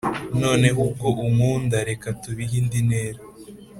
noneho ubwo unkunda reka tubihe indi ntera